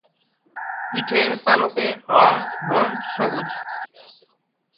পিঠের পালকের রং ব্রোঞ্জ-সবুজ।